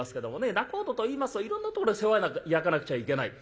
仲人といいますといろんなところで世話焼かなくちゃいけない。